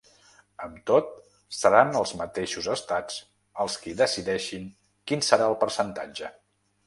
Amb tot, seran els mateixos estats els qui decideixin quin serà el percentatge.